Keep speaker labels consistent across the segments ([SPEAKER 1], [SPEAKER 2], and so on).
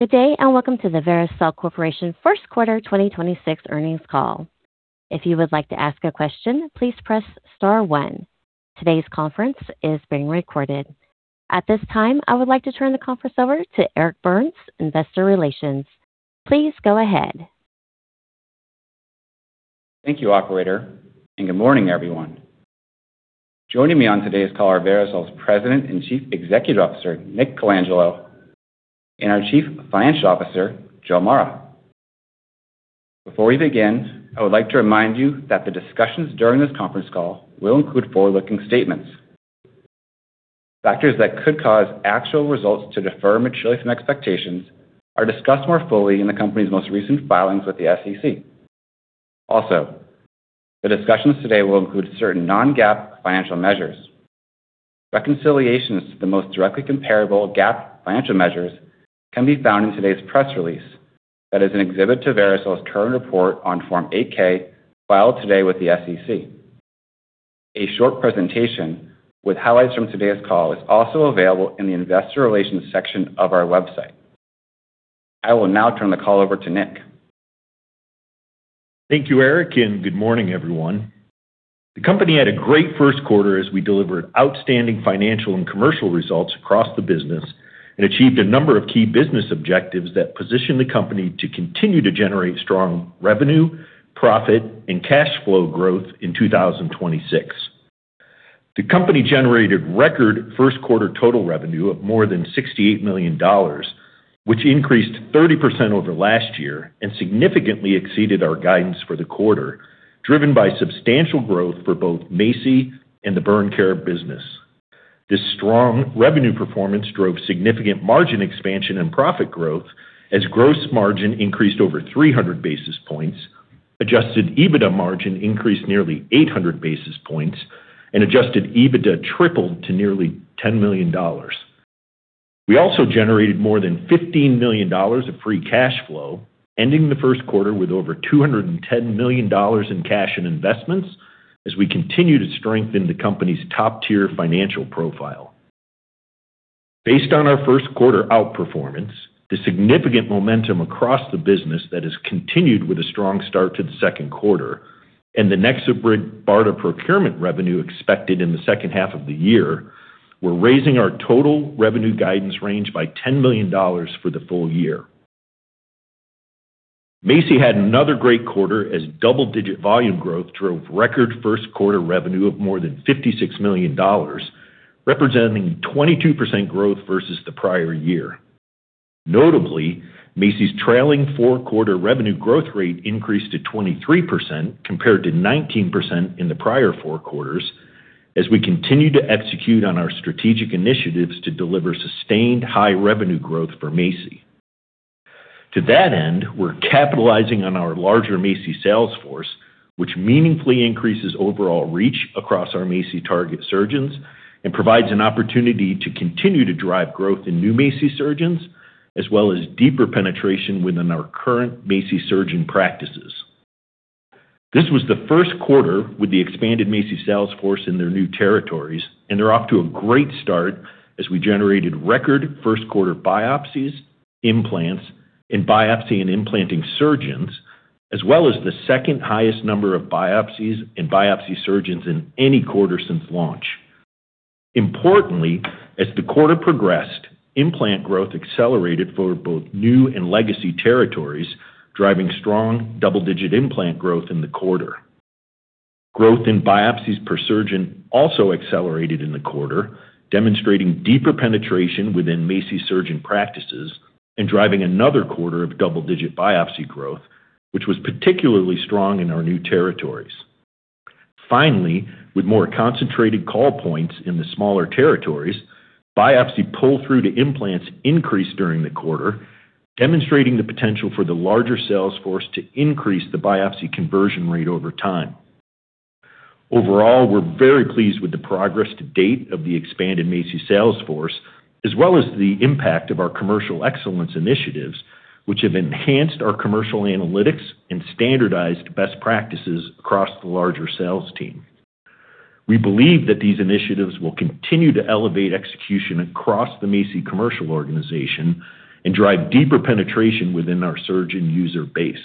[SPEAKER 1] Good day. And welcome to the Vericel Corporation first quarter 2026 earnings call. If you would like to ask a question please press star one. Todays conference is being recorded. At this time I would like to turn Eric Burns, Investor Relations. Please go ahead.
[SPEAKER 2] Thank you, operator. Good morning, everyone. Joining me on today's call are Vericel's President and Chief Executive Officer, Nick Colangelo, and our Chief Financial Officer, Joe Mara. Before we begin, I would like to remind you that the discussions during this conference call will include forward-looking statements. Factors that could cause actual results to differ materially from expectations are discussed more fully in the company's most recent filings with the SEC. The discussions today will include certain non-GAAP financial measures. Reconciliations to the most directly comparable GAAP financial measures can be found in today's press release. That is an exhibit to Vericel's current report on Form 8-K filed today with the SEC. A short presentation with highlights from today's call is also available in the investor relations section of our website. I will now turn the call over to Nick.
[SPEAKER 3] Thank you, Eric, and good morning, everyone. The company had a great first quarter as we delivered outstanding financial and commercial results across the business and achieved a number of key business objectives that position the company to continue to generate strong revenue, profit, and cash flow growth in 2026. The company generated record first quarter total revenue of more than $68 million, which increased 30% over last year and significantly exceeded our guidance for the quarter, driven by substantial growth for both MACI and the Burn Care business. This strong revenue performance drove significant margin expansion and profit growth as gross margin increased over 300 basis points. Adjusted EBITDA margin increased nearly 800 basis points, and adjusted EBITDA tripled to nearly $10 million. We also generated more than $15 million of free cash flow, ending the first quarter with over $210 million in cash and investments as we continue to strengthen the company's top-tier financial profile. Based on our first quarter outperformance, the significant momentum across the business that has continued with a strong start to the second quarter and the NexoBrid BARDA procurement revenue expected in the second half of the year, we're raising our total revenue guidance range by $10 million for the full year. MACI had another great quarter as double-digit volume growth drove record first-quarter revenue of more than $56 million, representing 22% growth versus the prior year. MACI's trailing four-quarter revenue growth rate increased to 23% compared to 19% in the prior four quarters as we continue to execute on our strategic initiatives to deliver sustained high revenue growth for MACI. We're capitalizing on our larger MACI sales force, which meaningfully increases overall reach across our MACI target surgeons and provides an opportunity to continue to drive growth in new MACI surgeons, as well as deeper penetration within our current MACI surgeon practices. This was the first quarter with the expanded MACI sales force in their new territories. They're off to a great start as we generated record first-quarter biopsies, implants, and biopsy and implanting surgeons, as well as the second highest number of biopsies and biopsy surgeons in any quarter since launch. Importantly, as the quarter progressed, implant growth accelerated for both new and legacy territories, driving strong double-digit implant growth in the quarter. Growth in biopsies per surgeon also accelerated in the quarter, demonstrating deeper penetration within MACI surgeon practices and driving another quarter of double-digit biopsy growth, which was particularly strong in our new territories. Finally, with more concentrated call points in the smaller territories, biopsy pull-through to implants increased during the quarter, demonstrating the potential for the larger sales force to increase the biopsy conversion rate over time. Overall, we're very pleased with the progress to date of the expanded MACI sales force, as well as the impact of our commercial excellence initiatives, which have enhanced our commercial analytics and standardized best practices across the larger sales team. We believe that these initiatives will continue to elevate execution across the MACI commercial organization and drive deeper penetration within our surgeon user base.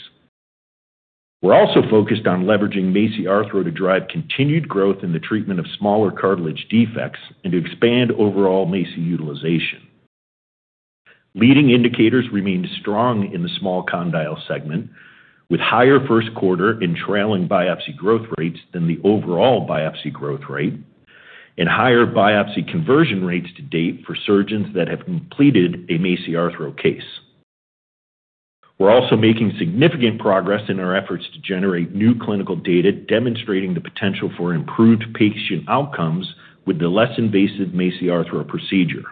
[SPEAKER 3] We are also focused on leveraging MACI Arthro to drive continued growth in the treatment of smaller cartilage defects and to expand overall MACI utilization. Leading indicators remained strong in the small condyle segment, with higher first quarter in trailing biopsy growth rates than the overall biopsy growth rate and higher biopsy conversion rates to date for surgeons that have completed a MACI Arthro case. We are also making significant progress in our efforts to generate new clinical data demonstrating the potential for improved patient outcomes with the less invasive MACI Arthro procedure.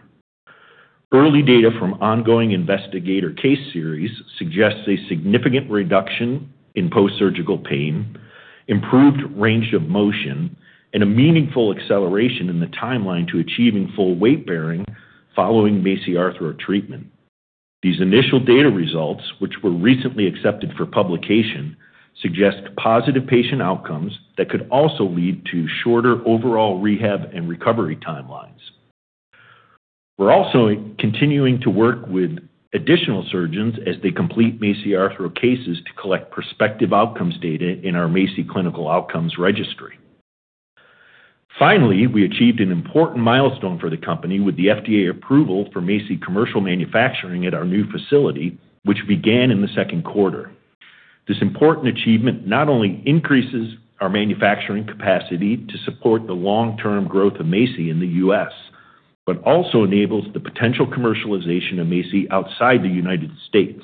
[SPEAKER 3] Early data from ongoing investigator case series suggests a significant reduction in post-surgical pain, improved range of motion, and a meaningful acceleration in the timeline to achieving full weight-bearing following MACI Arthro treatment. These initial data results, which were recently accepted for publication, suggest positive patient outcomes that could also lead to shorter overall rehab and recovery timelines. We're also continuing to work with additional surgeons as they complete MACI Arthro cases to collect prospective outcomes data in our MACI Clinical Outcomes Registry. Finally, we achieved an important milestone for the company with the FDA approval for MACI commercial manufacturing at our new facility, which began in the second quarter. This important achievement not only increases our manufacturing capacity to support the long-term growth of MACI in the U.S., but also enables the potential commercialization of MACI outside the United States.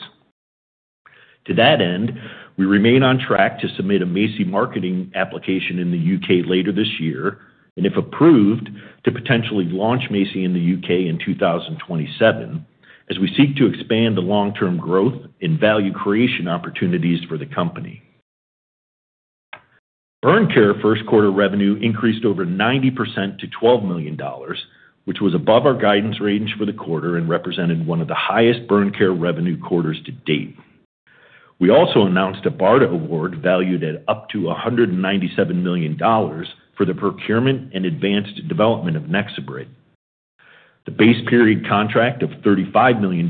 [SPEAKER 3] To that end, we remain on track to submit a MACI marketing application in the U.K. later this year, and if approved, to potentially launch MACI in the U.K. in 2027 as we seek to expand the long-term growth and value creation opportunities for the company. Burn Care first quarter revenue increased over 90% to $12 million, which was above our guidance range for the quarter and represented one of the highest Burn Care revenue quarters to date. We also announced a BARDA award valued at up to $197 million for the procurement and advanced development of NexoBrid. The base period contract of $35 million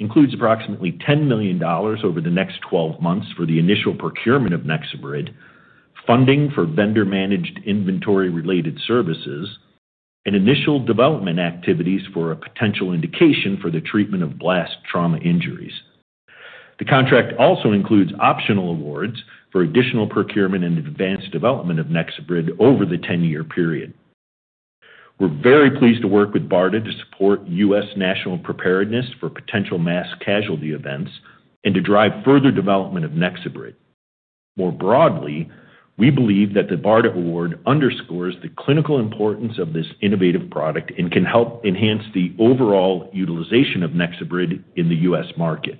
[SPEAKER 3] includes approximately $10 million over the next 12 months for the initial procurement of NexoBrid, funding for vendor-managed inventory-related services, and initial development activities for a potential indication for the treatment of blast trauma injuries. The contract also includes optional awards for additional procurement and advanced development of NexoBrid over the 10-year period. We're very pleased to work with BARDA to support U.S. national preparedness for potential mass casualty events and to drive further development of NexoBrid. More broadly, we believe that the BARDA award underscores the clinical importance of this innovative product and can help enhance the overall utilization of NexoBrid in the U.S. market.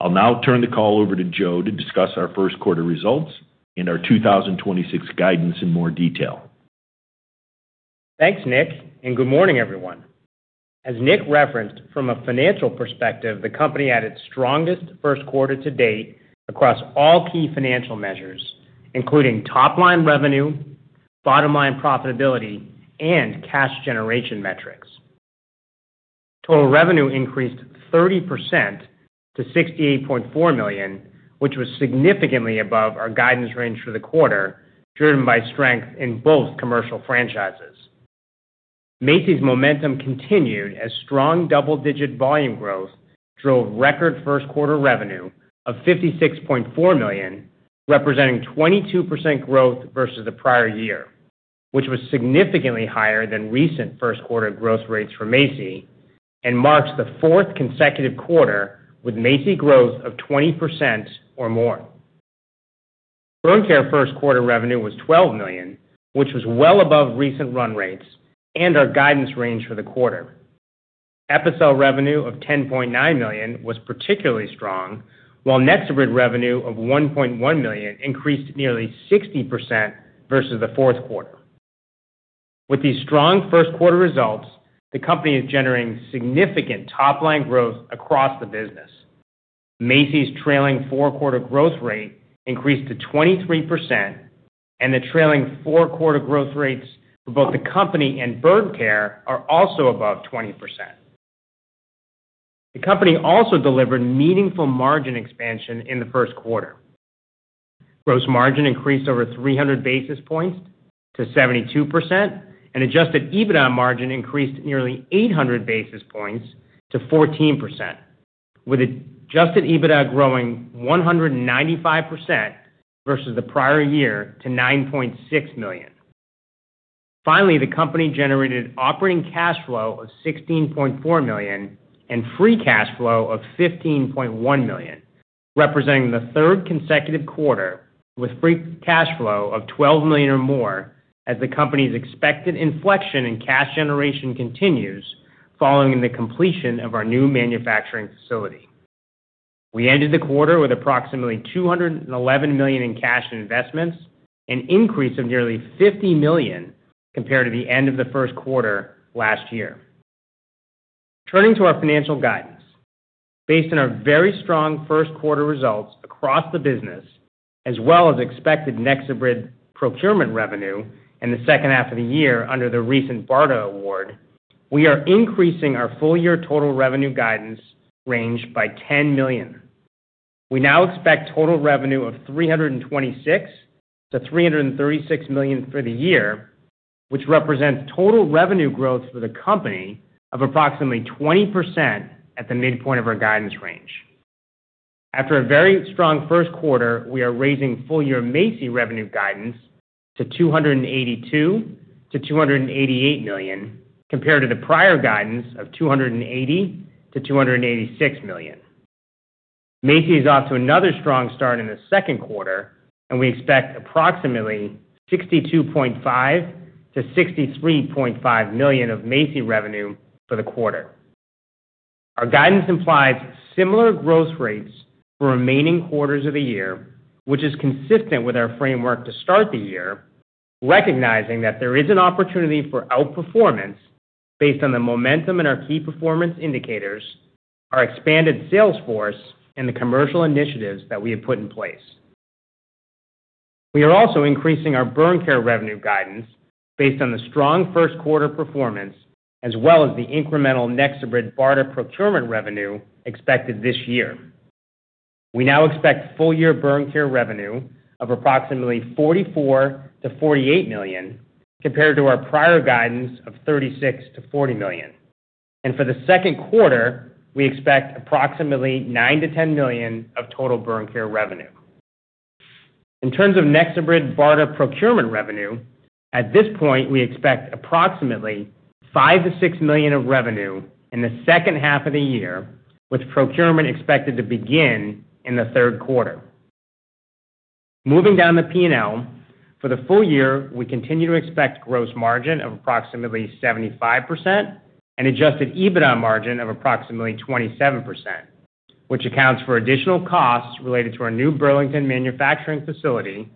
[SPEAKER 3] I'll now turn the call over to Joe to discuss our first quarter results and our 2026 guidance in more detail.
[SPEAKER 4] Thanks, Nick, and good morning, everyone. As Nick referenced, from a financial perspective, the company had its strongest first quarter to date across all key financial measures, including top-line revenue, bottom-line profitability, and cash generation metrics. Total revenue increased 30% to $68.4 million, which was significantly above our guidance range for the quarter, driven by strength in both commercial franchises. MACI's momentum continued as strong double-digit volume growth drove record first quarter revenue of $56.4 million, representing 22% growth versus the prior year, which was significantly higher than recent first quarter growth rates for MACI and marks the fourth consecutive quarter with MACI growth of 20% or more. Burn Care first quarter revenue was $12 million, which was well above recent run rates and our guidance range for the quarter. Epicel revenue of $10.9 million was particularly strong, while NexoBrid revenue of $1.1 million increased nearly 60% versus the fourth quarter. With these strong first quarter results, the company is generating significant top-line growth across the business. MACI's trailing four-quarter growth rate increased to 23%, and the trailing four-quarter growth rates for both the company and Burn Care are also above 20%. The company also delivered meaningful margin expansion in the first quarter. Gross margin increased over 300 basis points to 72%, and adjusted EBITDA margin increased nearly 800 basis points to 14%, with adjusted EBITDA growing 195% versus the prior year to $9.6 million. Finally, the company generated operating cash flow of $16.4 million and free cash flow of $15.1 million, representing the third consecutive quarter with free cash flow of $12 million or more as the company's expected inflection in cash generation continues following the completion of our new manufacturing facility. We ended the quarter with approximately $211 million in cash and investments, an increase of nearly $50 million compared to the end of the first quarter last year. Turning to our financial guidance. Based on our very strong first quarter results across the business, as well as expected NexoBrid procurement revenue in the second half of the year under the recent BARDA award, we are increasing our full-year total revenue guidance range by $10 million. We now expect total revenue of $326 million-$336 million for the year, which represents total revenue growth for the company of approximately 20% at the midpoint of our guidance range. After a very strong first quarter, we are raising full-year MACI revenue guidance to $282 million-$288 million compared to the prior guidance of $280 million-$286 million. MACI is off to another strong start in the second quarter, and we expect approximately $62.5 million-$63.5 million of MACI revenue for the quarter. Our guidance implies similar growth rates for remaining quarters of the year, which is consistent with our framework to start the year, recognizing that there is an opportunity for outperformance based on the momentum in our key performance indicators, our expanded sales force, and the commercial initiatives that we have put in place. We are also increasing our Burn Care revenue guidance based on the strong first quarter performance as well as the incremental NexoBrid BARDA procurement revenue expected this year. We now expect full-year Burn Care revenue of approximately $44 million-$48 million compared to our prior guidance of $36 million-$40 million. For the second quarter, we expect approximately $9 million-$10 million of total Burn Care revenue. In terms of NexoBrid BARDA procurement revenue, at this point, we expect approximately $5 million-$6 million of revenue in the second half of the year, with procurement expected to begin in the third quarter. Moving down the P&L, for the full year, we continue to expect gross margin of approximately 75% and adjusted EBITDA margin of approximately 27%, which accounts for additional costs related to our new Burlington manufacturing facility,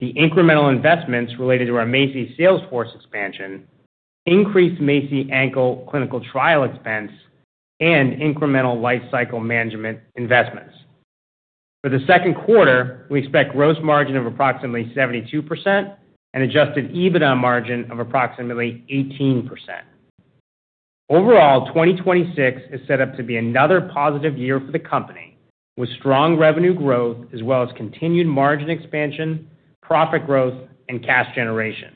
[SPEAKER 4] the incremental investments related to our MACI sales force expansion, increased MACI ankle clinical trial expense, and incremental life cycle management investments. For the second quarter, we expect gross margin of approximately 72% and adjusted EBITDA margin of approximately 18%. Overall, 2026 is set up to be another positive year for the company, with strong revenue growth as well as continued margin expansion, profit growth, and cash generation.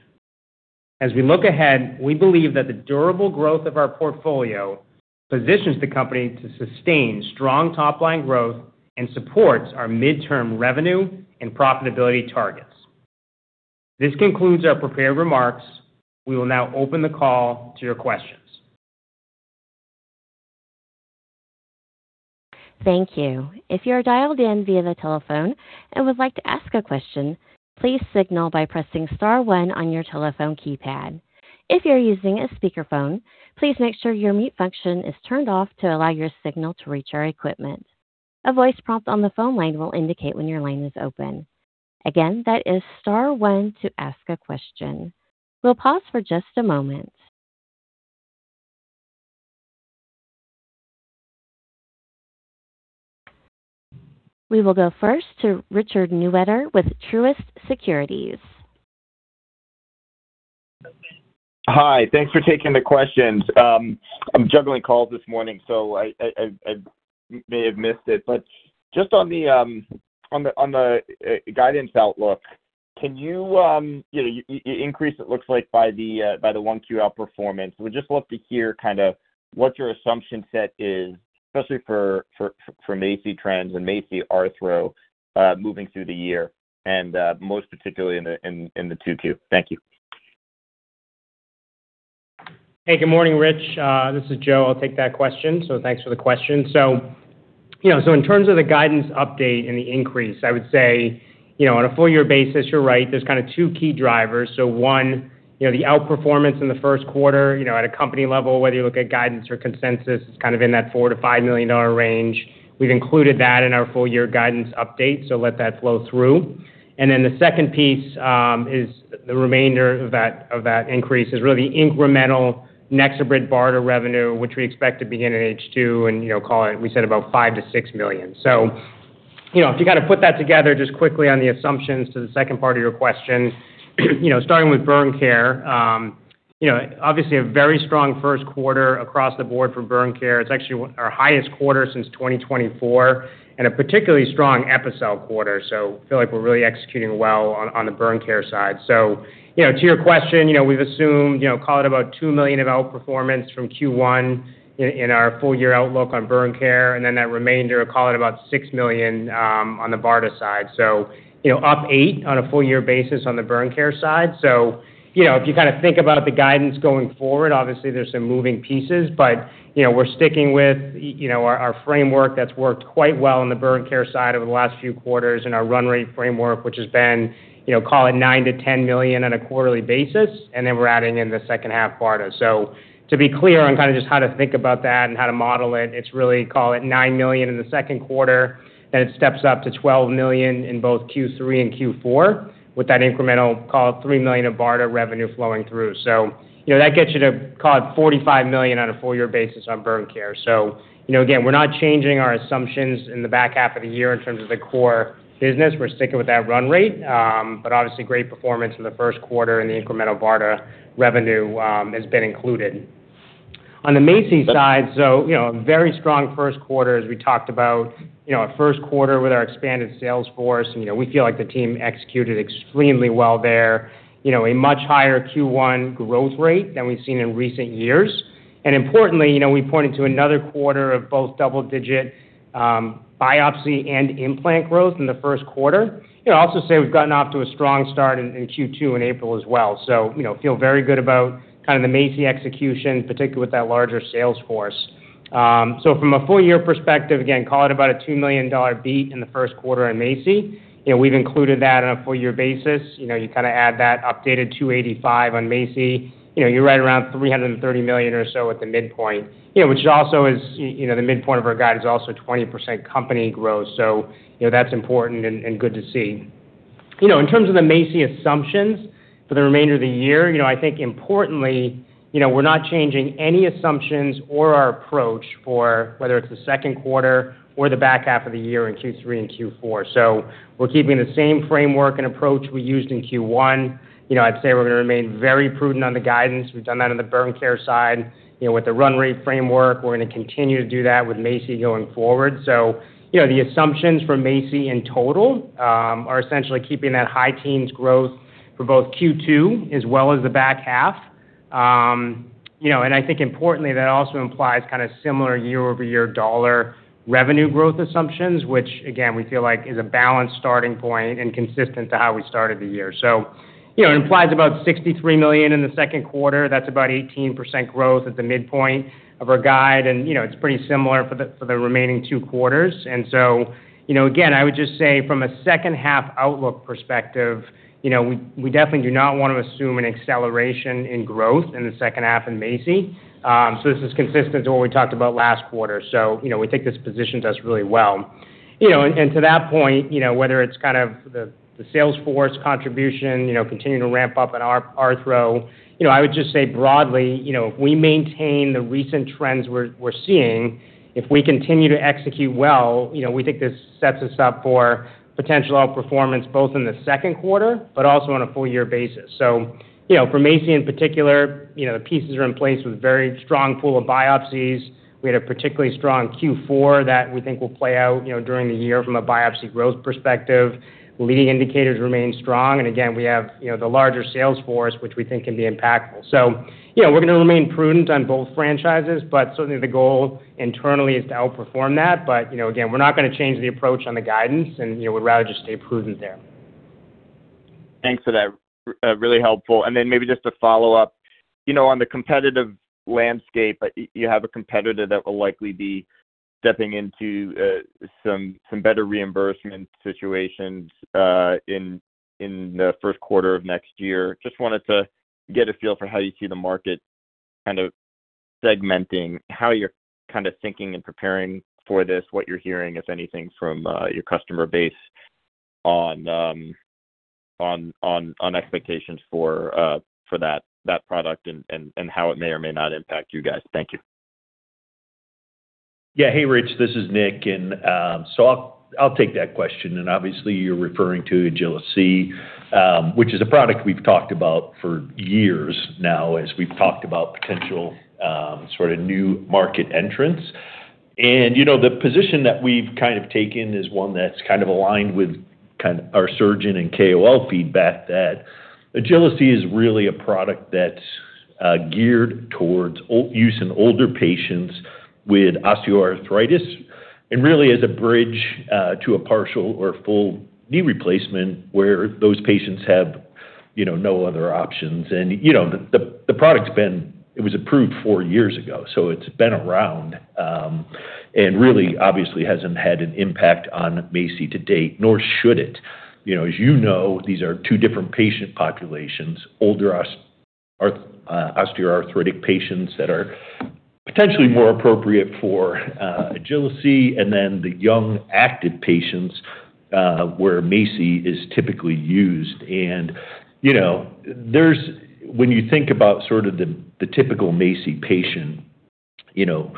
[SPEAKER 4] As we look ahead, we believe that the durable growth of our portfolio positions the company to sustain strong top-line growth and supports our midterm revenue and profitability targets. This concludes our prepared remarks. We will now open the call to your questions.
[SPEAKER 1] Thank you. If you are dialed in via the telephone and would like to ask a question, please signal by pressing star one on your telephone keypad. If you're using a speakerphone, please make sure your mute function is turned off to allow your signal to reach our equipment. A voice prompt on the phone line will indicate when your line is open. Again, that is star one to ask a question. We'll pause for just a moment. We will go first to Richard Newitter with Truist Securities.
[SPEAKER 5] Hi. Thanks for taking the questions. I'm juggling calls this morning, so I may have missed it. Just on the guidance outlook, can you know, you increase it looks like by the 1Q outperformance. Would just love to hear kind of what your assumption set is, especially for MACI trends and MACI Arthro moving through the year and most particularly in the 2Q. Thank you.
[SPEAKER 4] Good morning, Rich. This is Joe. I'll take that question. Thanks for the question. You know, in terms of the guidance update and the increase, I would say, you know, on a full year basis, you're right, there's kind of two key drivers. One, you know, the outperformance in the first quarter, you know, at a company level, whether you look at guidance or consensus, it's kind of in that $4 million-$5 million range. We've included that in our full year guidance update. Let that flow through. The second piece is the remainder of that, of that increase is really the incremental NexoBrid BARDA revenue, which we expect to begin in H2, and, you know, call it, we said about $5 million-$6 million. You know, if you kind of put that together just quickly on the assumptions to the second part of your question, you know, starting with Burn Care, you know, obviously a very strong first quarter across the board for Burn Care. It's actually our highest quarter since 2024 and a particularly strong Epicel quarter. Feel like we're really executing well on the Burn Care side. You know, to your question, you know, we've assumed, you know, call it about $2 million of outperformance from Q1 in our full year outlook on Burn Care, and then that remainder, call it about $6 million on the BARDA side. You know, up $8 million on a full year basis on the Burn Care side. You know, if you kind of think about the guidance going forward, obviously there's some moving pieces, but, you know, we're sticking with, you know, our framework that's worked quite well on the Burn Care side over the last few quarters and our run rate framework, which has been, you know, call it $9 million-$10 million on a quarterly basis, and then we're adding in the second half BARDA. To be clear on kind of just how to think about that and how to model it's really call it $9 million in the second quarter, then it steps up to $12 million in both Q3 and Q4 with that incremental call it $3 million of BARDA revenue flowing through. You know, that gets you to call it $45 million on a full year basis on Burn Care. You know, again, we're not changing our assumptions in the back half of the year in terms of the core business. We're sticking with that run rate. But obviously great performance in the first quarter and the incremental BARDA revenue has been included. On the MACI side, you know, a very strong first quarter as we talked about, you know, our first quarter with our expanded sales force, and, you know, we feel like the team executed extremely well there. You know, a much higher Q1 growth rate than we've seen in recent years. Importantly, you know, we pointed to another quarter of both double-digit biopsy and implant growth in the first quarter. You know, I'll also say we've gotten off to a strong start in Q2 in April as well. You know, feel very good about kind of the MACI execution, particularly with that larger sales force. From a full year perspective, again, call it about a $2 million beat in the first quarter on MACI. You know, we've included that on a full year basis. You know, you kind of add that updated $285 on MACI. You know, you're right around $330 million or so at the midpoint. You know, which also is, you know, the midpoint of our guide is also 20% company growth. You know, that's important and good to see. You know, in terms of the MACI assumptions for the remainder of the year, you know, I think importantly, you know, we're not changing any assumptions or our approach for whether it's the second quarter or the back half of the year in Q3 and Q4. We're keeping the same framework and approach we used in Q1. You know, I'd say we're gonna remain very prudent on the guidance. We've done that on the Burn Care side. You know, with the run rate framework, we're gonna continue to do that with MACI going forward. You know, the assumptions for MACI in total, are essentially keeping that high teens growth for both Q2 as well as the back half. You know, I think importantly, that also implies kind of similar year-over-year dollar revenue growth assumptions, which again, we feel like is a balanced starting point and consistent to how we started the year. You know, it implies about $63 million in the second quarter. That's about 18% growth at the midpoint of our guide. You know, it's pretty similar for the, for the remaining two quarters. You know, again, I would just say from a second half outlook perspective, you know, we definitely do not want to assume an acceleration in growth in the second half in MACI. This is consistent to what we talked about last quarter. You know, we think this positions us really well. You know, to that point, you know, whether it's kind of the sales force contribution, you know, continuing to ramp up in MACI Arthro, you know, I would just say broadly, you know, if we maintain the recent trends we're seeing, if we continue to execute well, you know, we think this sets us up for potential outperformance, both in the second quarter but also on a full-year basis. You know, for MACI in particular, you know, the pieces are in place with a very strong pool of biopsies. We had a particularly strong Q4 that we think will play out, you know, during the year from a biopsy growth perspective. Leading indicators remain strong. Again, we have, you know, the larger sales force, which we think can be impactful. You know, we're gonna remain prudent on both franchises, but certainly the goal internally is to outperform that. You know, again, we're not gonna change the approach on the guidance and, you know, we'd rather just stay prudent there.
[SPEAKER 5] Thanks for that. really helpful. Then maybe just to follow up, you know, on the competitive landscape, you have a competitor that will likely be stepping into some better reimbursement situations in the first quarter of next year. Just wanted to get a feel for how you see the market kind of segmenting, how you're kind of thinking and preparing for this, what you're hearing, if anything, from your customer base on expectations for that product and how it may or may not impact you guys. Thank you.
[SPEAKER 3] Yeah. Hey, Rich, this is Nick. I'll take that question. Obviously you're referring to Agili-C, which is a product we've talked about for years now as we've talked about potential sort of new market entrants. You know, the position that we've kind of taken is one that's kind of aligned with our surgeon and KOL feedback that Agili-C is really a product that's geared towards use in older patients with osteoarthritis and really as a bridge to a partial or full knee replacement where those patients have, you know, no other options. You know, the product's been it was approved four years ago, so it's been around and really obviously hasn't had an impact on MACI to date, nor should it. You know, as you know, these are two different patient populations, older osteoarthritic patients that are potentially more appropriate for Agili-C and then the young active patients where MACI is typically used. You know, when you think about sort of the typical MACI patient, you know,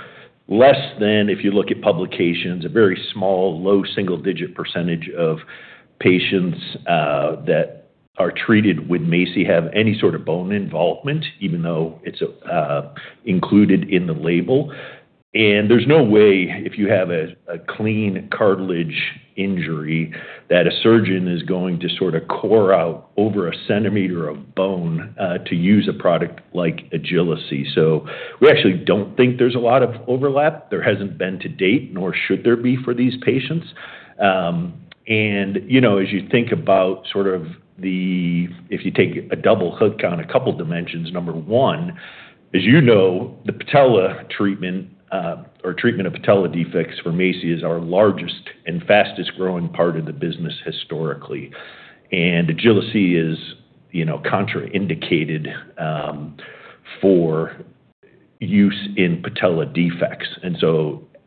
[SPEAKER 3] less than if you look at publications, a very small, low single-digit percentage of patients that are treated with MACI have any sort of bone involvement, even though it's included in the label. There's no way if you have a clean cartilage injury that a surgeon is going to sort of core out over 1 cm of bone to use a product like Agili-C. We actually don't think there's a lot of overlap. There hasn't been to date, nor should there be for these patients. You know, as you think about sort of the if you take a double-click on a couple dimensions, number one, as you know, the patella treatment, or treatment of patella defects for MACI is our largest and fastest-growing part of the business historically. Agili-C is, you know, contraindicated for use in patella defects,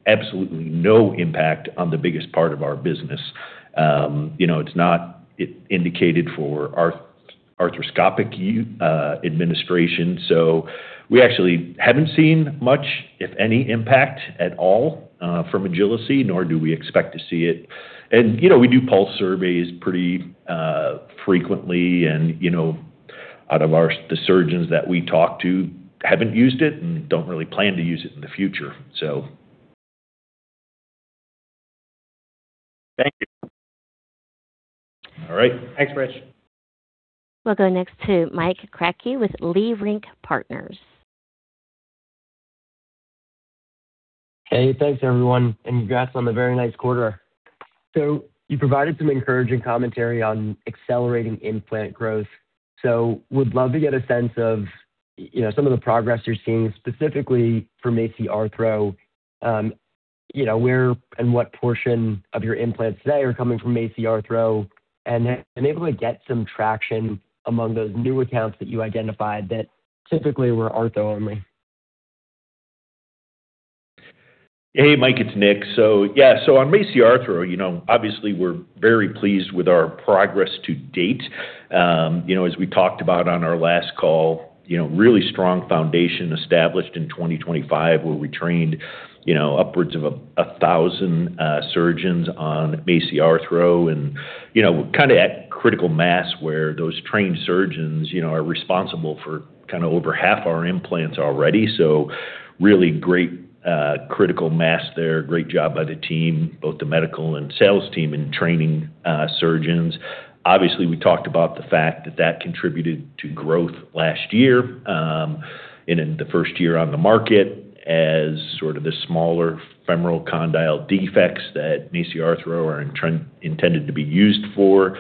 [SPEAKER 3] absolutely no impact on the biggest part of our business. You know, it's not indicated for arthroscopic administration, we actually haven't seen much, if any impact at all, from Agili-C, nor do we expect to see it. You know, we do pulse surveys pretty frequently and, you know, out of the surgeons that we talk to haven't used it and don't really plan to use it in the future.
[SPEAKER 5] Thank you.
[SPEAKER 3] All right.
[SPEAKER 4] Thanks, Richard.
[SPEAKER 1] We'll go next to Mike Kratky with Leerink Partners.
[SPEAKER 6] Hey. Thanks, everyone, congrats on the very nice quarter. You provided some encouraging commentary on accelerating implant growth. Would love to get a sense of, you know, some of the progress you're seeing specifically for MACI Arthro. You know, where and what portion of your implants today are coming from MACI Arthro and have been able to get some traction among those new accounts that you identified that typically were ortho-only?
[SPEAKER 3] Hey, Mike, it's Nick. On MACI Arthro, you know, obviously we're very pleased with our progress to date. you know, as we talked about on our last call, you know, really strong foundation established in 2025 where we trained, you know, upwards of a thousand surgeons on MACI Arthro. you know, we're kind of at critical mass where those trained surgeons, you know, are responsible for kind of over half our implants already. Really great critical mass there. Great job by the team, both the medical and sales team in training surgeons. Obviously, we talked about the fact that that contributed to growth last year in the first year on the market as sort of the smaller femoral condyle defects that MACI Arthro are intended to be used for.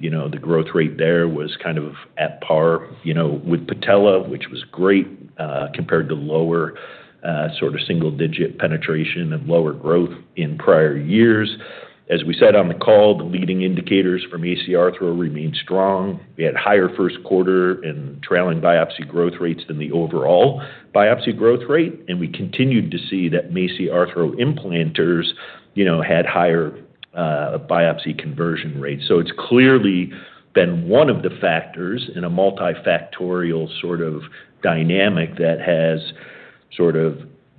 [SPEAKER 3] You know, the growth rate there was kind of at par, you know, with patella, which was great, compared to lower, single-digit penetration and lower growth in prior years. As we said on the call, the leading indicators for MACI Arthro remain strong. We had higher first quarter and trailing biopsy growth rates than the overall biopsy growth rate. We continued to see that MACI Arthro implanters, you know, had higher biopsy conversion rates. It's clearly been one of the factors in a multifactorial dynamic that has,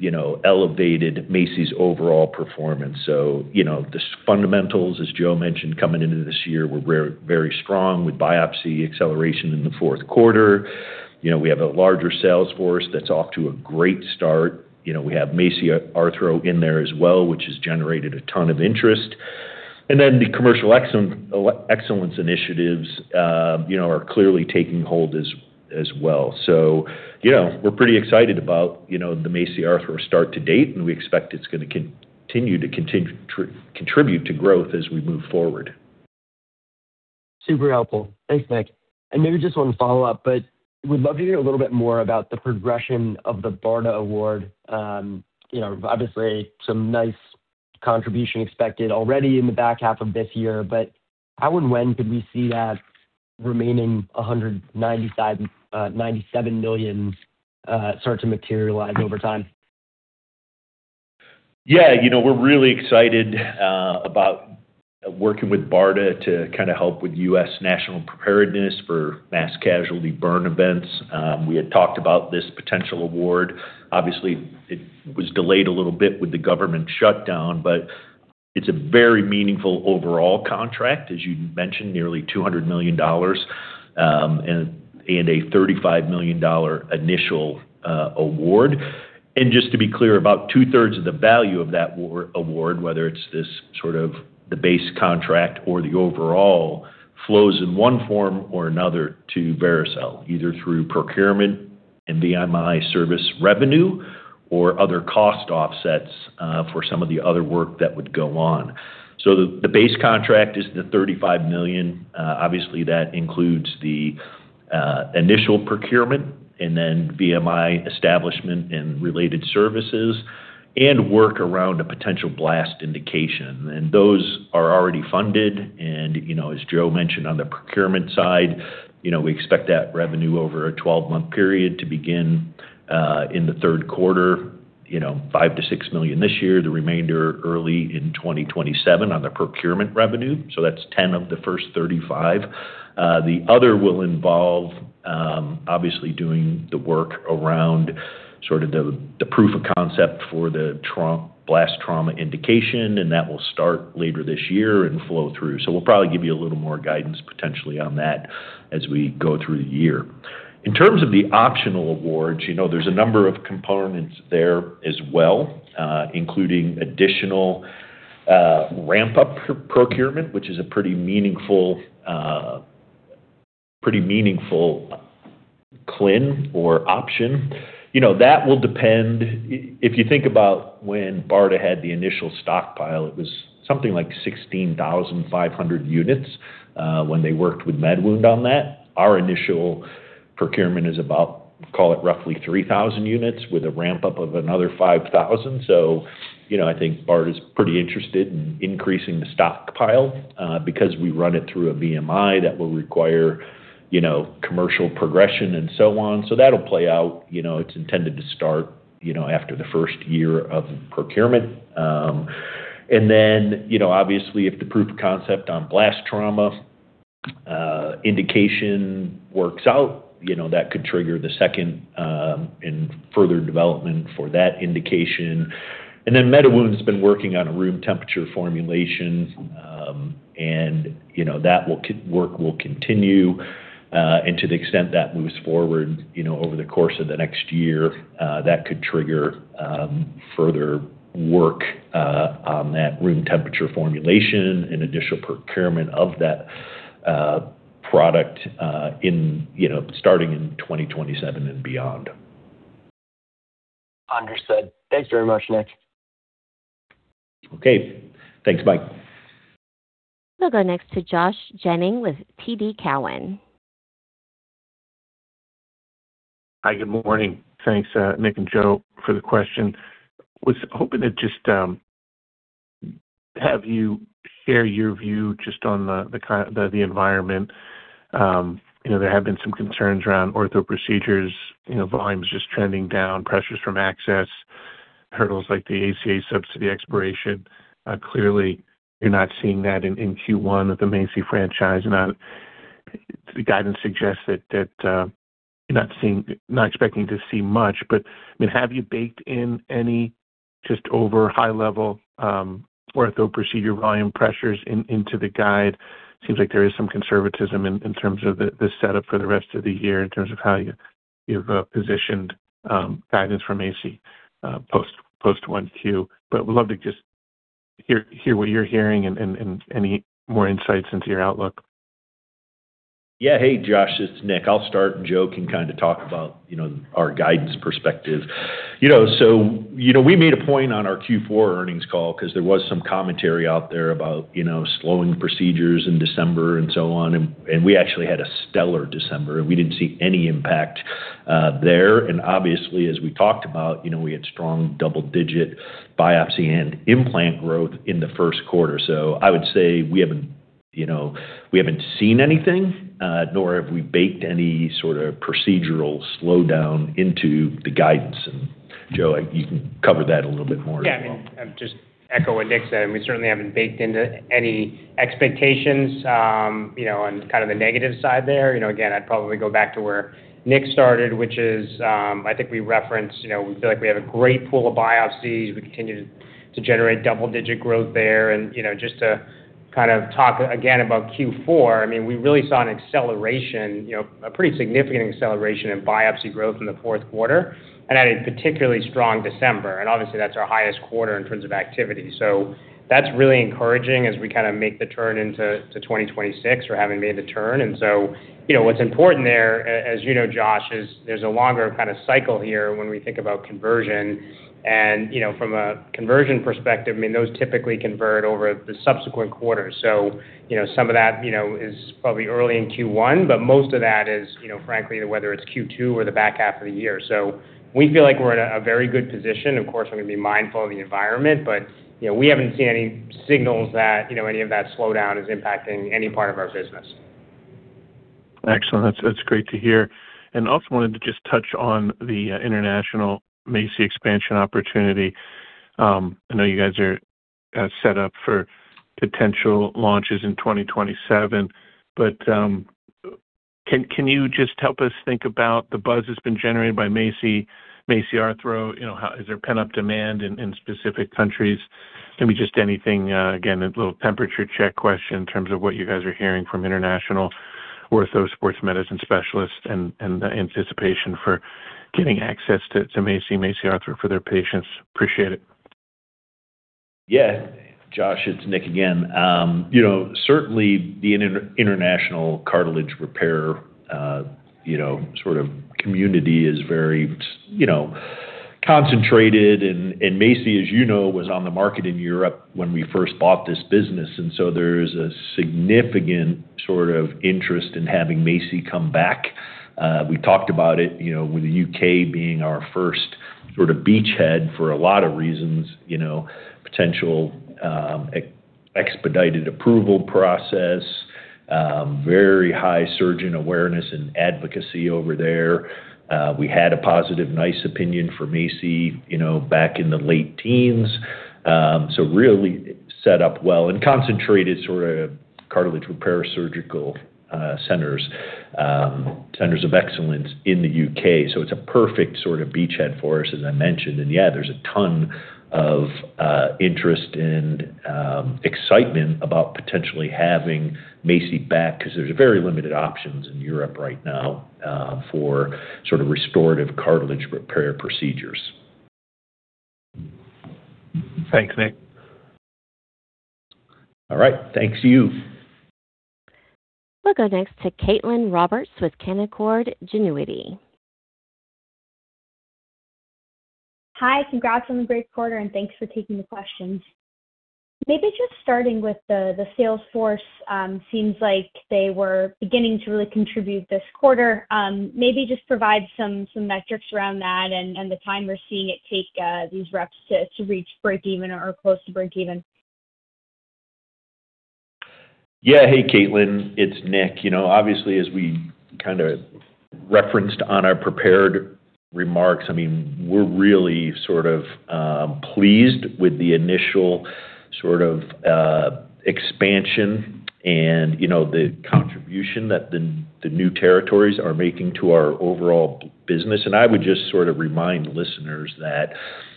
[SPEAKER 3] you know, elevated MACI's overall performance. You know, the fundamentals, as Joe mentioned, coming into this year were very, very strong with biopsy acceleration in the fourth quarter. You know, we have a larger sales force that's off to a great start. You know, we have MACI Arthro in there as well, which has generated a ton of interest. The commercial excellence initiatives, you know, are clearly taking hold as well. You know, we're pretty excited about, you know, the MACI Arthro start to date, and we expect it's gonna continue to contribute to growth as we move forward.
[SPEAKER 6] Super helpful. Thanks, Nick. Maybe just one follow-up, would love to hear a little bit more about the progression of the BARDA award. You know, obviously some nice contribution expected already in the back half of this year. How and when could we see that remaining $97 million start to materialize over time?
[SPEAKER 3] Yeah. You know, we're really excited about working with BARDA to kind of help with U.S. national preparedness for mass casualty burn events. We had talked about this potential award. Obviously, it was delayed a little bit with the government shutdown, but it's a very meaningful overall contract. As you mentioned, nearly $200 million, and a $35 million initial award. Just to be clear, about 2/3 of the value of that award, whether it's this sort of the base contract or the overall, flows in one form or another to Vericel, either through procurement and VMI service revenue or other cost offsets for some of the other work that would go on. The base contract is the $35 million. Obviously, that includes the initial procurement and then VMI establishment and related services and work around a potential blast indication. Those are already funded. You know, as Joe mentioned on the procurement side, you know, we expect that revenue over a 12-month period to begin in the third quarter. You know, $5 million-$6 million this year, the remainder early in 2027 on the procurement revenue. That's $10 of the first $35. The other will involve obviously doing the work around sort of the proof of concept for the blast trauma indication, that will start later this year and flow through. We'll probably give you a little more guidance potentially on that as we go through the year. In terms of the optional awards, you know, there's a number of components there as well, including additional ramp-up procurement, which is a pretty meaningful, pretty meaningful CLIN or option. You know, that will depend if you think about when BARDA had the initial stockpile, it was something like 16,500 units when they worked with MediWound on that. Our initial procurement is about, call it roughly 3,000 units with a ramp-up of another 5,000. You know, I think BARDA's pretty interested in increasing the stockpile because we run it through a VMI that will require, you know, commercial progression and so on. That'll play out. You know, it's intended to start, you know, after the first year of procurement. Then, you know, obviously, if the proof of concept on blast trauma indication works out, you know, that could trigger the second and further development for that indication. Then MediWound's been working on a room temperature formulation, and, you know, that work will continue. To the extent that moves forward, you know, over the course of the next year, that could trigger further work on that room temperature formulation and additional procurement of that product in, you know, starting in 2027 and beyond.
[SPEAKER 6] Understood. Thanks very much, Nick.
[SPEAKER 3] Okay. Thanks, Mike.
[SPEAKER 1] We'll go next to Josh Jennings with TD Cowen.
[SPEAKER 7] Hi. Good morning. Thanks, Nick and Joe for the question. Was hoping to just have you share your view just on the environment. You know, there have been some concerns around ortho procedures, you know, volumes just trending down, pressures from access, hurdles like the ACA subsidy expiration. Clearly, you're not seeing that in Q1 with the MACI franchise. Now, the guidance suggests that you're not expecting to see much. I mean, have you baked in any just over high level ortho procedure volume pressures into the guide? Seems like there is some conservatism in terms of the setup for the rest of the year in terms of how you've positioned guidance for MACI post Q1. Would love to just hear what you're hearing and any more insights into your outlook.
[SPEAKER 3] Yeah. Hey, Josh, it's Nick. I'll start, Joe can kinda talk about, you know, our guidance perspective. You know, we made a point on our Q4 earnings call, 'cause there was some commentary out there about, you know, slowing procedures in December and so on. We actually had a stellar December, and we didn't see any impact there. Obviously, as we talked about, you know, we had strong double-digit biopsy and implant growth in the first quarter. I would say we haven't, you know, we haven't seen anything, nor have we baked any sort of procedural slowdown into the guidance. Joe, you can cover that a little bit more as well.
[SPEAKER 4] Yeah, I mean, I'd just echo what Nick said. I mean, we certainly haven't baked into any expectations, you know, on kind of the negative side there. You know, again, I'd probably go back to where Nick started, which is, I think we referenced, you know, we feel like we have a great pool of biopsies. We continue to generate double-digit growth there. You know, just to kind of talk again about Q4, I mean, we really saw an acceleration, you know, a pretty significant acceleration in biopsy growth in the fourth quarter and had a particularly strong December. Obviously, that's our highest quarter in terms of activity. That's really encouraging as we kind of make the turn into 2026 or having made the turn. You know, what's important there, as you know, Josh, is there's a longer kind of cycle here when we think about conversion. You know, from a conversion perspective, I mean, those typically convert over the subsequent quarters. You know, some of that, you know, is probably early in Q1, but most of that is, you know, frankly, whether it's Q2 or the back half of the year. We feel like we're in a very good position. Of course, we're gonna be mindful of the environment, but, you know, we haven't seen any signals that, you know, any of that slowdown is impacting any part of our business.
[SPEAKER 7] Excellent. That's great to hear. Also wanted to just touch on the international MACI expansion opportunity. I know you guys are set up for potential launches in 2027. Can you just help us think about the buzz that's been generated by MACI Arthro? You know, is there pent-up demand in specific countries? Can be just anything, again, a little temperature check question in terms of what you guys are hearing from international ortho sports medicine specialists and the anticipation for getting access to MACI Arthro for their patients. Appreciate it.
[SPEAKER 3] Yeah. Josh, it's Nick again. You know, certainly the international cartilage repair, you know, sort of community is very, you know, concentrated. MACI, as you know, was on the market in Europe when we first bought this business. There's a significant sort of interest in having MACI come back. We talked about it, you know, with the U.K. being our first sort of beachhead for a lot of reasons, you know, potential expedited approval process, very high surgeon awareness and advocacy over there. We had a positive NICE opinion for MACI, you know, back in the late teens. Really set up well and concentrated sort of cartilage repair surgical centers of excellence in the U.K. It's a perfect sort of beachhead for us, as I mentioned. Yeah, there's a ton of interest and excitement about potentially having MACI back, 'cause there's very limited options in Europe right now, for sort of restorative cartilage repair procedures.
[SPEAKER 7] Thanks, Nick.
[SPEAKER 3] All right. Thanks to you.
[SPEAKER 1] We'll go next to Caitlin Roberts with Canaccord Genuity.
[SPEAKER 8] Hi. Congrats on the great quarter, and thanks for taking the questions. Maybe just starting with the sales force, seems like they were beginning to really contribute this quarter. Maybe just provide some metrics around that and the time we're seeing it take these reps to reach breakeven or close to breakeven.
[SPEAKER 3] Yeah. Hey, Caitlin, it's Nick. You know, obviously, as we kind of referenced on our prepared remarks, I mean, we're really sort of pleased with the initial sort of expansion and, you know, the contribution that the new territories are making to our overall business. I would just sort of remind listeners that,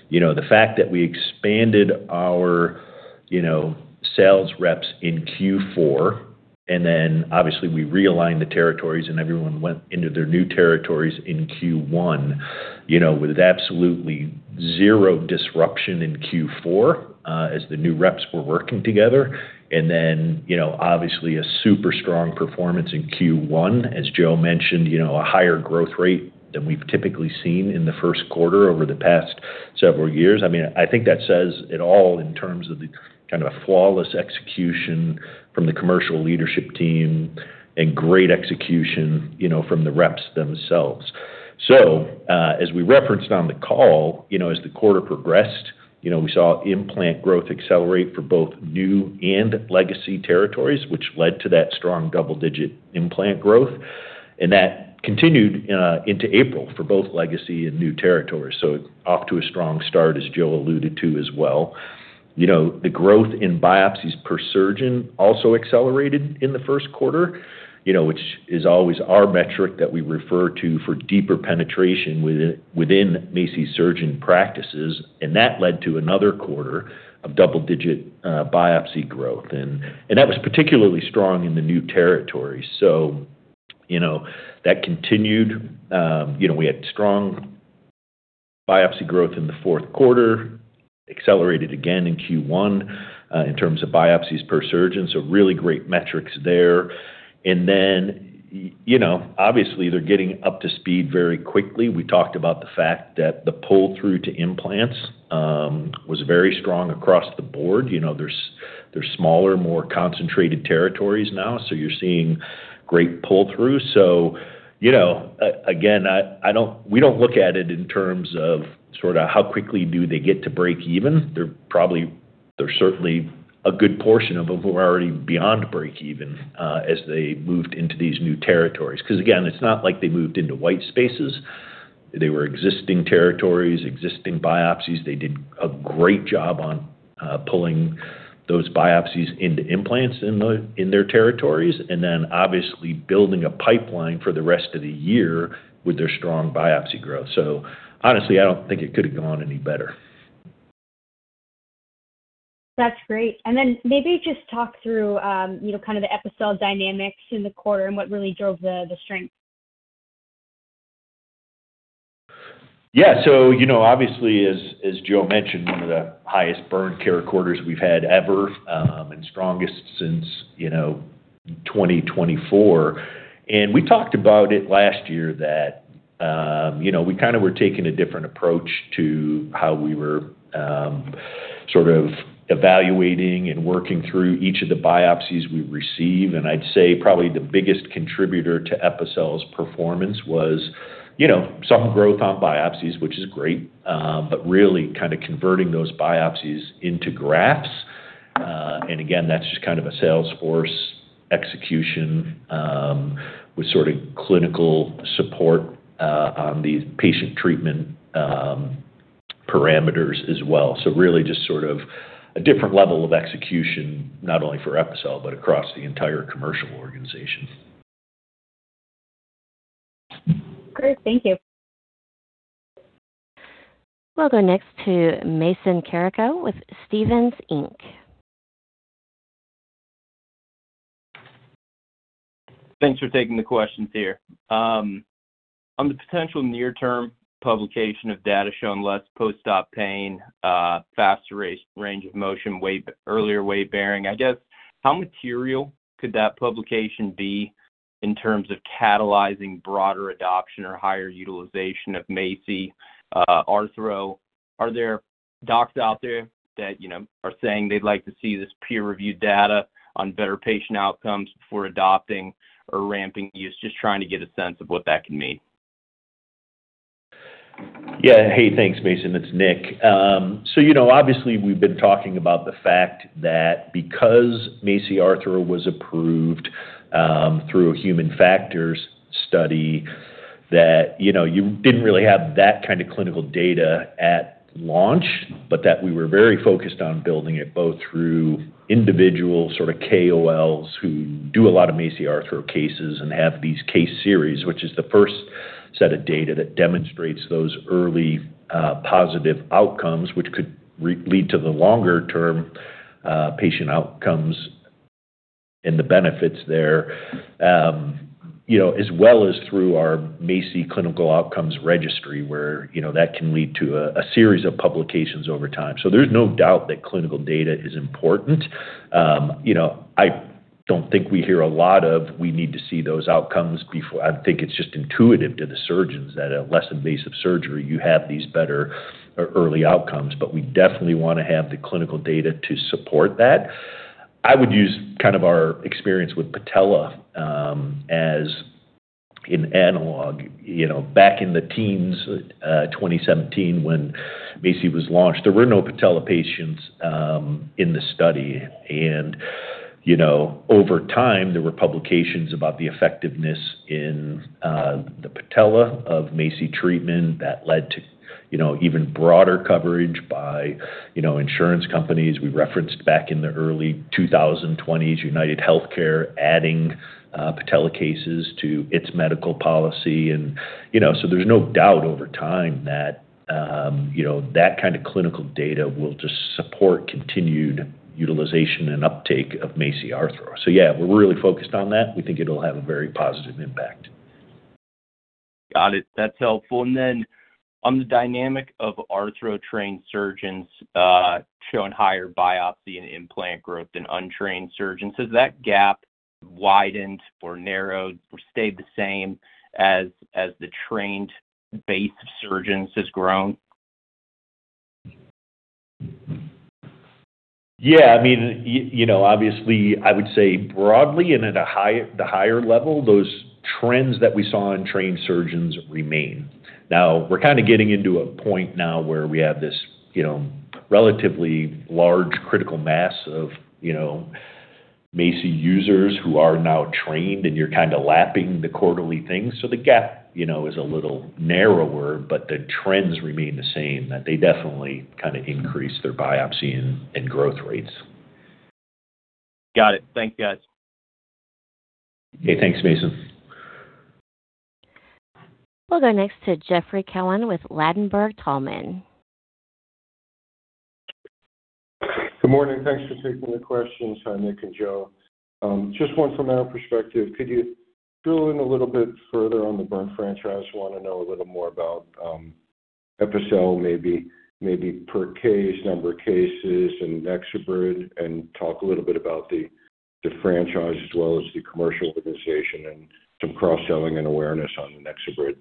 [SPEAKER 3] you know, the fact that we expanded our, you know, sales reps in Q4, then obviously we realigned the territories and everyone went into their new territories in Q1, you know, with absolutely zero disruption in Q4, as the new reps were working together. You know, obviously a super strong performance in Q1, as Joe mentioned, you know, a higher growth rate than we've typically seen in the first quarter over the past several years. I mean, I think that says it all in terms of the kind of flawless execution from the commercial leadership team and great execution, you know, from the reps themselves. As we referenced on the call, you know, as the quarter progressed, you know, we saw implant growth accelerate for both new and legacy territories, which led to that strong double-digit implant growth. That continued into April for both legacy and new territories. Off to a strong start, as Joe alluded to as well. You know, the growth in biopsies per surgeon also accelerated in the first quarter, you know, which is always our metric that we refer to for deeper penetration within MACI surgeon practices. That led to another quarter of double-digit biopsy growth. That was particularly strong in the new territories. You know, that continued. You know, we had strong biopsy growth in the fourth quarter, accelerated again in Q1, in terms of biopsies per surgeon, so really great metrics there. You know, obviously, they're getting up to speed very quickly. We talked about the fact that the pull-through to implants was very strong across the board. You know, there's smaller, more concentrated territories now, so you're seeing great pull-through. You know, again, we don't look at it in terms of sort of how quickly do they get to break even. There's certainly a good portion of them who are already beyond break even as they moved into these new territories. 'Cause again, it's not like they moved into white spaces. They were existing territories, existing biopsies. They did a great job on pulling those biopsies into implants in their territories, obviously building a pipeline for the rest of the year with their strong biopsy growth. Honestly, I don't think it could have gone any better.
[SPEAKER 8] That's great. Maybe just talk through, you know, kind of the Epicel dynamics in the quarter and what really drove the strength?
[SPEAKER 3] You know, obviously, as Joe mentioned, 1 of the highest Burn Care quarters we've had ever, and strongest since, you know, 2024. We talked about it last year that, you know, we kinda were taking a different approach to how we were sort of evaluating and working through each of the biopsies we receive. I'd say probably the biggest contributor to Epicel's performance was, you know, some growth on biopsies, which is great, but really kinda converting those biopsies into grafts. Again, that's just kind of a sales force execution with sort of clinical support on the patient treatment parameters as well. Really just sort of a different level of execution, not only for Epicel, but across the entire commercial organization.
[SPEAKER 8] Great. Thank you.
[SPEAKER 1] We'll go next to Mason Carrico with Stephens Inc.
[SPEAKER 9] Thanks for taking the questions here. On the potential near-term publication of data showing less post-op pain, faster range of motion, earlier weight-bearing, I guess, how material could that publication be in terms of catalyzing broader adoption or higher utilization of MACI Arthro? Are there docs out there that, you know, are saying they'd like to see this peer-reviewed data on better patient outcomes before adopting or ramping use? Just trying to get a sense of what that can mean.
[SPEAKER 3] Yeah. Hey, thanks, Mason. It's Nick. You know, obviously, we've been talking about the fact that because MACI Arthro was approved through a human factors study, that, you know, you didn't really have that kind of clinical data at launch, but that we were very focused on building it both through individual sort of KOLs who do a lot of MACI Arthro cases and have these case series, which is the first set of data that demonstrates those early positive outcomes, which could lead to the longer-term patient outcomes and the benefits there. You know, as well as through our MACI Clinical Outcomes Registry, where, you know, that can lead to a series of publications over time. There's no doubt that clinical data is important. You know, I don't think we hear a lot of we need to see those outcomes before I think it's just intuitive to the surgeons that a less invasive surgery, you have these better or early outcomes, but we definitely want to have the clinical data to support that. I would use kind of our experience with patella as an analog. You know, back in the teens, 2017 when MACI was launched, there were no patella patients in the study. You know, over time, there were publications about the effectiveness in the patella of MACI treatment that led to, you know, even broader coverage by, you know, insurance companies. We referenced back in the early 2020s, UnitedHealthcare adding patella cases to its medical policy. You know, so there's no doubt over time that, you know, that kind of clinical data will just support continued utilization and uptake of MACI Arthro. Yeah, we're really focused on that. We think it'll have a very positive impact.
[SPEAKER 9] Got it. That's helpful. Then on the dynamic of arthro-trained surgeons showing higher biopsy and implant growth than untrained surgeons, has that gap widened or narrowed or stayed the same as the trained base of surgeons has grown?
[SPEAKER 3] Yeah, I mean, you know, obviously, I would say broadly and at a higher level, those trends that we saw in trained surgeons remain. Now, we're kinda getting into a point now where we have this, you know, relatively large critical mass of, you know, MACI users who are now trained, and you're kinda lapping the quarterly thing. The gap, you know, is a little narrower, but the trends remain the same, that they definitely kinda increase their biopsy and growth rates.
[SPEAKER 9] Got it. Thank you, guys.
[SPEAKER 3] Okay. Thanks, Mason.
[SPEAKER 1] We'll go next to Jeffrey Cohen with Ladenburg Thalmann.
[SPEAKER 10] Good morning. Thanks for taking the questions, Nick and Joe. Just one from our perspective. Could you drill in a little bit further on the burn franchise? Wanna know a little more about Epicel maybe per case, number of cases, and NexoBrid, and talk a little bit about the franchise as well as the commercial organization and some cross-selling and awareness on the NexoBrid.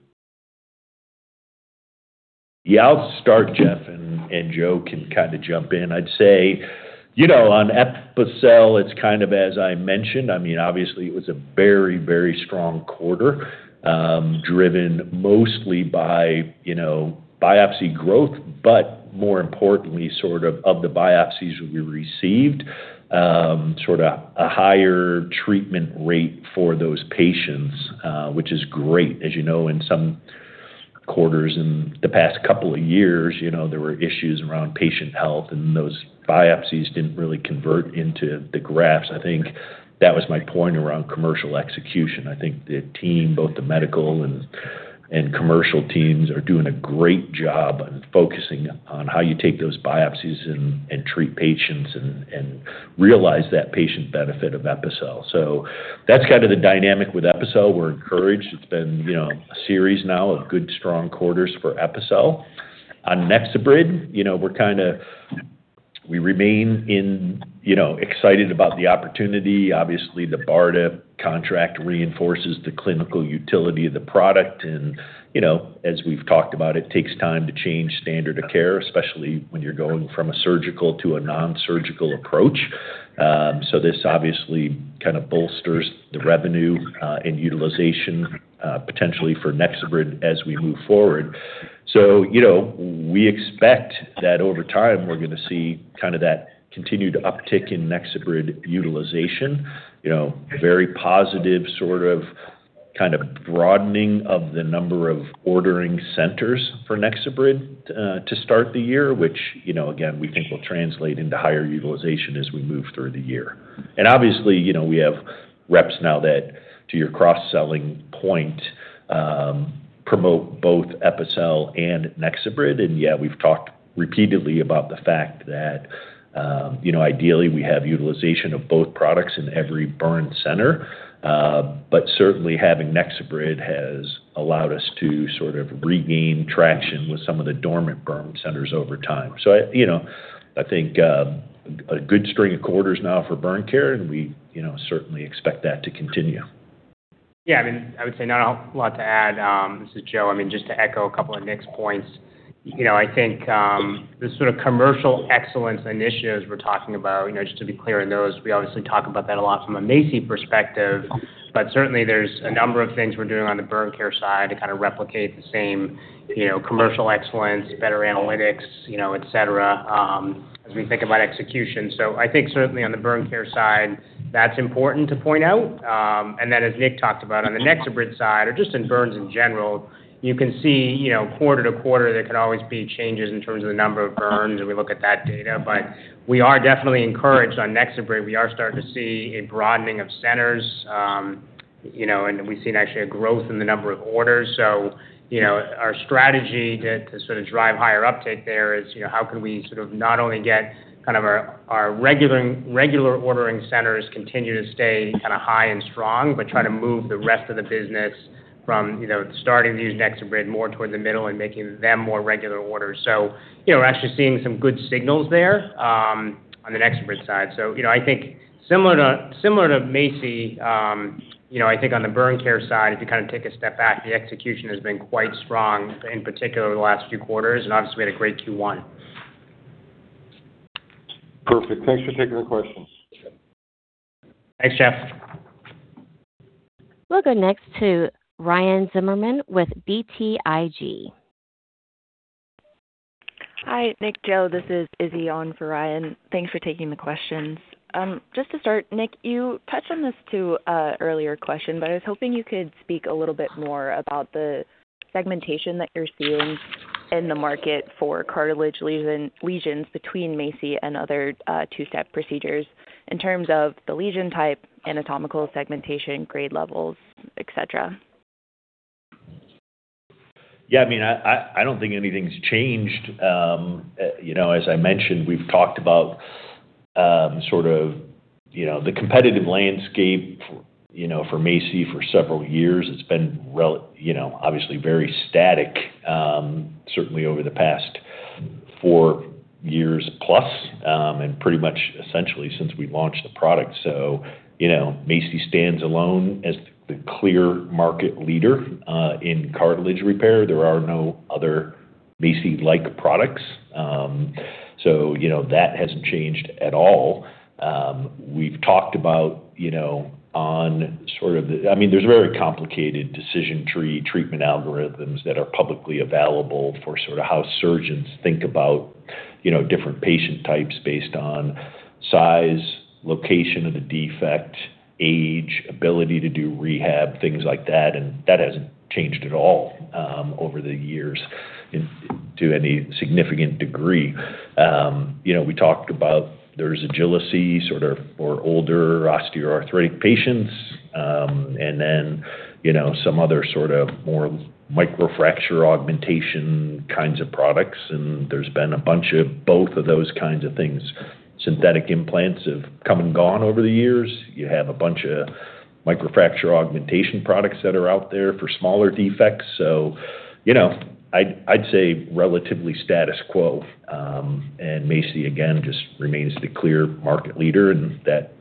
[SPEAKER 3] Yeah, I'll start, Jeff, and Joe can kind of jump in. I'd say, you know, on Epicel, it's kind of as I mentioned. I mean, obviously, it was a very, very strong quarter, driven mostly by, you know, biopsy growth, but more importantly, sort of the biopsies we received, sort of a higher treatment rate for those patients, which is great. As you know, in some quarters in the past couple of years, you know, there were issues around patient health, and those biopsies didn't really convert into the grafts. I think that was my point around commercial execution. I think the team, both the medical and commercial teams, are doing a great job on focusing on how you take those biopsies and treat patients and realize that patient benefit of Epicel. That's kind of the dynamic with Epicel. We're encouraged. It's been, you know, a series now of good, strong quarters for Epicel. On NexoBrid, you know, we remain in, you know, excited about the opportunity. Obviously, the BARDA contract reinforces the clinical utility of the product and, you know, as we've talked about, it takes time to change standard of care, especially when you're going from a surgical to a non-surgical approach. This obviously kind of bolsters the revenue and utilization potentially for NexoBrid as we move forward. You know, we expect that over time, we're gonna see kind of that continued uptick in NexoBrid utilization. You know, very positive sort of, kind of broadening of the number of ordering centers for NexoBrid to start the year, which, you know, again, we think will translate into higher utilization as we move through the year. Obviously, you know, we have reps now that, to your cross-selling point, promote both Epicel and NexoBrid. We've talked repeatedly about the fact that, you know, ideally, we have utilization of both products in every burn center. Certainly having NexoBrid has allowed us to sort of regain traction with some of the dormant burn centers over time. I, you know, I think a good string of quarters now for Burn Care, and we, you know, certainly expect that to continue.
[SPEAKER 4] Yeah. I mean, I would say not a lot to add. This is Joe. I mean, just to echo a couple of Nick Colangelo's points. You know, I think the sort of commercial excellence initiatives we're talking about, you know, just to be clear in those, we obviously talk about that a lot from a MACI perspective, but certainly, there's a number of things we're doing on the Burn Care side to kind of replicate the same, you know, commercial excellence, better analytics, you know, etc, as we think about execution. I think certainly on the Burn Care side, that's important to point out. As Nick talked about on the NexoBrid side or just in burns in general, you can see, you know, quarter-to-quarter, there could always be changes in terms of the number of burns, and we look at that data. We are definitely encouraged on NexoBrid. We are starting to see a broadening of centers, you know, we've seen actually a growth in the number of orders. You know, our strategy to sort of drive higher uptake there is, you know, how can we sort of not only get kind of our regular ordering centers continue to stay kind of high and strong, but try to move the rest of the business from, you know, starting to use NexoBrid more toward the middle and making them more regular orders. You know, we're actually seeing some good signals there on the NexoBrid side. You know, I think similar to MACI, you know, I think on the Burn Care side, if you kind of take a step back, the execution has been quite strong, in particular the last few quarters, and obviously, we had a great Q1.
[SPEAKER 10] Perfect. Thanks for taking the questions.
[SPEAKER 4] Thanks, Jeff.
[SPEAKER 1] We'll go next to Ryan Zimmerman with BTIG.
[SPEAKER 11] Hi, Nick, Joe. This is Izzy on for Ryan. Thanks for taking the questions. Just to start, Nick, you touched on this to a earlier question, I was hoping you could speak a little bit more about the segmentation that you're seeing in the market for cartilage lesions between MACI and other two step procedures in terms of the lesion type, anatomical segmentation, grade levels, etc.
[SPEAKER 3] Yeah, I mean, I don't think anything's changed. You know, as I mentioned, we've talked about, sort of, you know, the competitive landscape for, you know, for MACI for several years. It's been, you know, obviously very static, certainly over the past four years plus, pretty much essentially since we launched the product. You know, MACI stands alone as the clear market leader in cartilage repair. There are no other MACI-like products. You know, that hasn't changed at all. We've talked about, you know, I mean, there's very complicated decision tree treatment algorithms that are publicly available for sort of how surgeons think about, you know, different patient types based on size, location of the defect, age, ability to do rehab, things like that, and that hasn't changed at all over the years to any significant degree. You know, we talked about there's Agili-C sort of for older osteoarthritic patients, and then, you know, some other sort of more microfracture augmentation kinds of products, and there's been a bunch of both of those kinds of things. Synthetic implants have come and gone over the years. You have a bunch of microfracture augmentation products that are out there for smaller defects. You know, I'd say relatively status quo. MACI, again, just remains the clear market leader, and that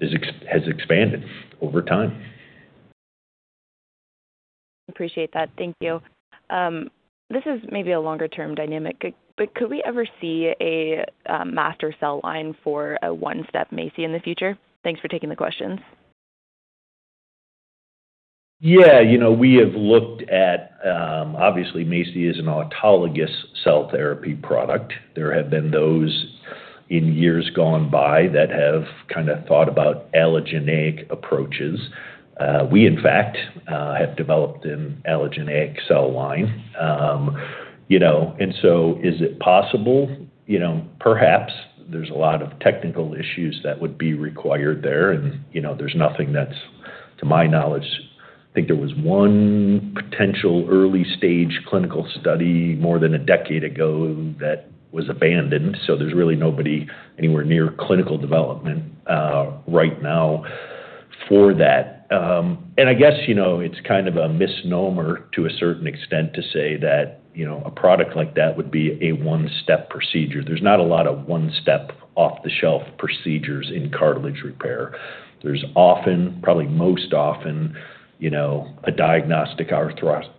[SPEAKER 3] has expanded over time.
[SPEAKER 11] Appreciate that. Thank you. This is maybe a longer-term dynamic. Could we ever see a master cell line for a one-step MACI in the future? Thanks for taking the questions.
[SPEAKER 3] Yeah. You know, we have looked at. Obviously, MACI is an autologous cell therapy product. There have been those in years gone by that have kind of thought about allogeneic approaches. We, in fact, have developed an allogeneic cell line. You know, is it possible? You know, perhaps. There's a lot of technical issues that would be required there and, you know, there's nothing that's, to my knowledge. I think there was one potential early-stage clinical study more than a decade ago that was abandoned, so there's really nobody anywhere near clinical development right now for that. I guess, you know, it's kind of a misnomer to a certain extent to say that, you know, a product like that would be a one-step procedure. There's not a lot of one-step, off-the-shelf procedures in cartilage repair. There's often, probably most often, you know, a diagnostic arthroscopy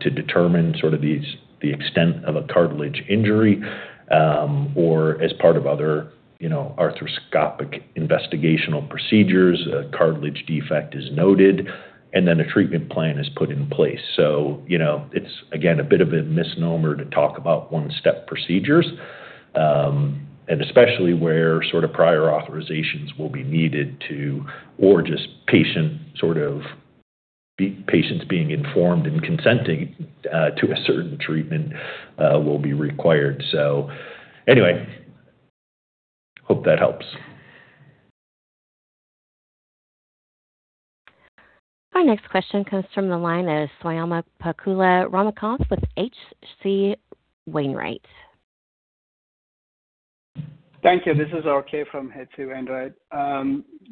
[SPEAKER 3] to determine sort of the extent of a cartilage injury, or as part of other, you know, arthroscopic investigational procedures, a cartilage defect is noted, and then a treatment plan is put in place. You know, it's, again, a bit of a misnomer to talk about one-step procedures, and especially where sort of prior authorizations will be needed to or just patients being informed and consenting to a certain treatment will be required. Anyway, hope that helps.
[SPEAKER 1] Our next question comes from the line of Swayampakula Ramakanth with H.C. Wainwright.
[SPEAKER 12] Thank you. This is RK from H.C. Wainwright.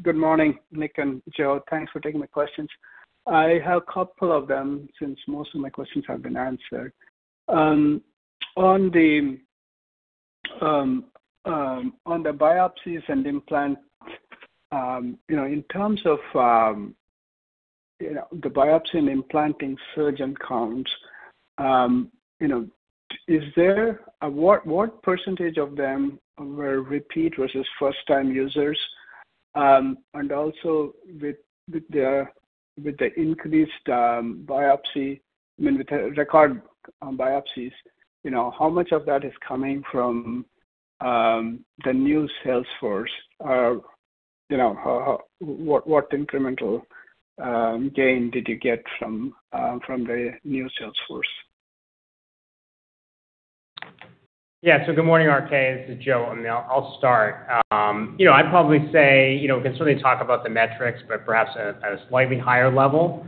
[SPEAKER 12] Good morning, Nick and Joe. Thanks for taking my questions. I have a couple of them since most of my questions have been answered. On the biopsies and implant, you know, in terms of, you know, the biopsy and implanting surgeon count, you know, what percentage of them were repeat versus first-time users? Also with the increased biopsy, I mean, with the record biopsies, you know, how much of that is coming from the new sales force? You know, what incremental gain did you get from the new sales force?
[SPEAKER 4] Yeah. Good morning, RK. This is Joe. I'll start. you know, I'd probably say, you know, we can certainly talk about the metrics, but perhaps at a slightly higher level.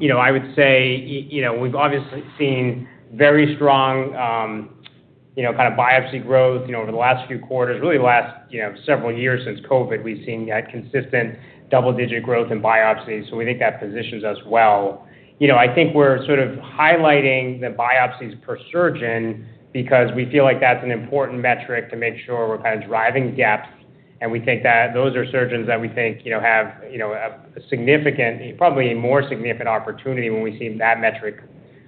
[SPEAKER 4] you know, I would say, you know, we've obviously seen very strong, you know, kind of biopsy growth, you know, over the last few quarters, really the last, you know, several years since COVID, we've seen that consistent double-digit growth in biopsies. We think that positions us well. You know, I think we're sort of highlighting the biopsies per surgeon because we feel like that's an important metric to make sure we're kind of driving gaps, and we think that those are surgeons that we think, you know, have, you know, a significant, probably a more significant opportunity when we see that metric,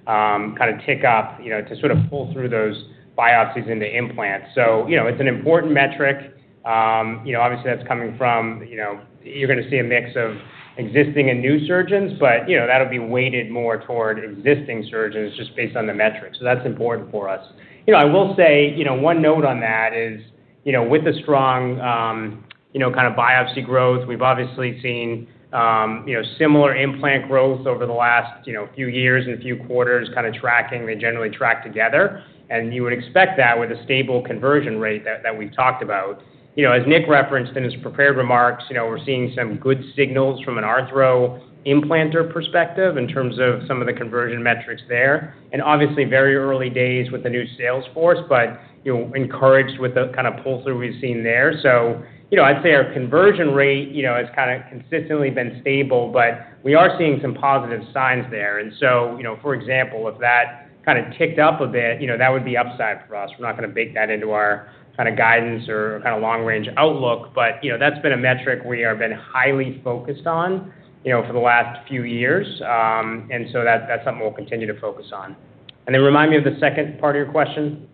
[SPEAKER 4] kind of tick up, you know, to sort of pull through those biopsies into implants. You know, it's an important metric. You know, obviously that's coming from, you know, you're gonna see a mix of existing and new surgeons, but, you know, that'll be weighted more toward existing surgeons just based on the metrics. That's important for us. You know, I will say, you know, one note on that is, you know, with the strong, you know, kind of biopsy growth, we've obviously seen, you know, similar implant growth over the last, you know, few years and a few quarters kind of tracking. They generally track together. You would expect that with a stable conversion rate that we've talked about. You know, as Nick referenced in his prepared remarks, you know, we're seeing some good signals from Arthro implanter perspective in terms of some of the conversion metrics there. Obviously, very early days with the new sales force, but, you know, encouraged with the kind of pull-through we've seen there. You know, I'd say our conversion rate, you know, has kind of consistently been stable, but we are seeing some positive signs there. You know, for example, if that kind of ticked up a bit, you know, that would be upside for us. We're not gonna bake that into our kind of guidance or kind of long-range outlook, but, you know, that's been a metric we have been highly focused on, you know, for the last few years. That's something we'll continue to focus on. Then remind me of the second part of your question.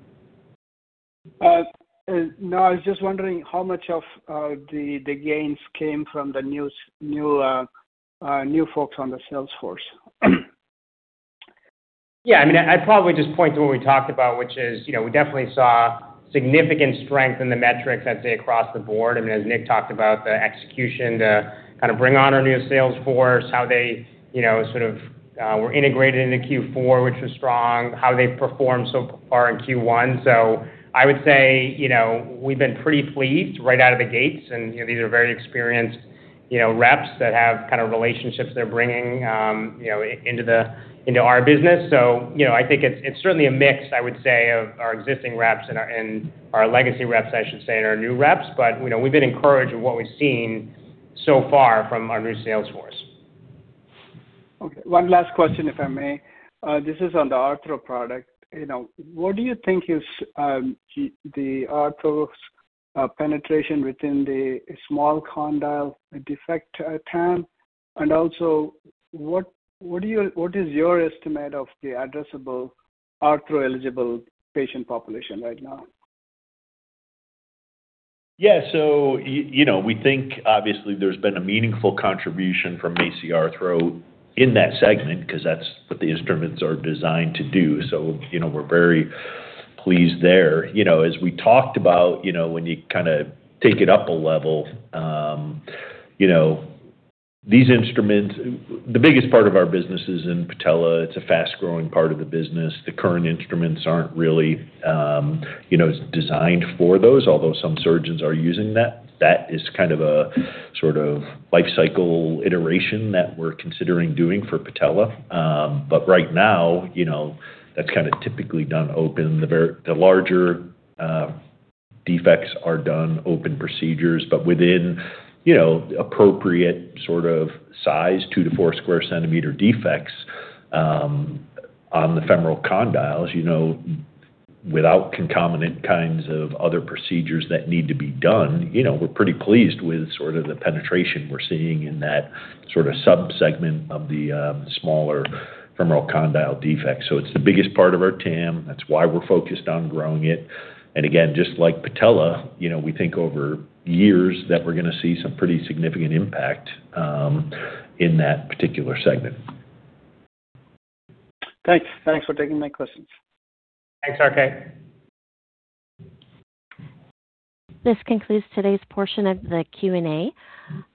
[SPEAKER 12] No, I was just wondering how much of the gains came from the new folks on the sales force?
[SPEAKER 4] I mean, I'd probably just point to what we talked about, which is, you know, we definitely saw significant strength in the metrics, I'd say, across the board. I mean, as Nick talked about, the execution to kind of bring on our new sales force, how they, you know, sort of, were integrated into Q4, which was strong, how they performed so far in Q1. I would say, you know, we've been pretty pleased right out of the gates and, you know, these are very experienced, you know, reps that have kind of relationships they're bringing, into the, into our business. I think it's certainly a mix, I would say, of our existing reps and our, and our legacy reps, I should say, and our new reps. You know, we've been encouraged with what we've seen so far from our new sales force.
[SPEAKER 12] Okay. One last question, if I may. This is on the Arthro product. You know, what do you think is the Arthro's penetration within the small condyle defect, TAM? What is your estimate of the addressable Arthro-eligible patient population right now?
[SPEAKER 3] Yeah. You know, we think obviously there's been a meaningful contribution from MACI Arthro in that segment because that's what the instruments are designed to do. You know, we're very pleased there. You know, as we talked about, you know, when you kind of take it up a level, you know, these instruments. The biggest part of our business is in patella. It's a fast-growing part of the business. The current instruments aren't really, you know, designed for those, although some surgeons are using that. That is kind of a sort of life cycle iteration that we're considering doing for patella. Right now, you know, that's kind of typically done open. The larger, defects are done open procedures, but within, you know, appropriate sort of size, 2 sq cm-4 sq cm defects on the femoral condyles. You know, without concomitant kinds of other procedures that need to be done, you know, we're pretty pleased with sort of the penetration we're seeing in that sort of subsegment of the smaller femoral condyle defects. It's the biggest part of our TAM. That's why we're focused on growing it. Again, just like patella, you know, we think over years that we're gonna see some pretty significant impact in that particular segment.
[SPEAKER 12] Thanks. Thanks for taking my questions.
[SPEAKER 4] Thanks, RK.
[SPEAKER 1] This concludes today's portion of the Q&A.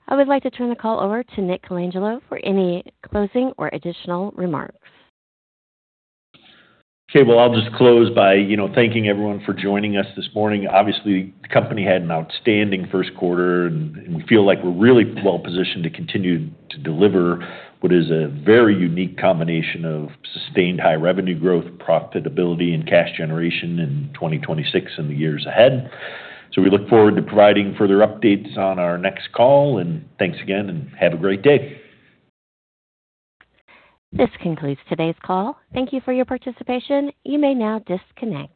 [SPEAKER 1] I would like to turn the call over to Nick Colangelo for any closing or additional remarks.
[SPEAKER 3] Okay. Well, I'll just close by, you know, thanking everyone for joining us this morning. Obviously, the company had an outstanding first quarter, and we feel like we're really well positioned to continue to deliver what is a very unique combination of sustained high revenue growth, profitability, and cash generation in 2026 and the years ahead. We look forward to providing further updates on our next call, Thanks again and have a great day.
[SPEAKER 1] This concludes today's call. Thank you for your participation. You may now disconnect.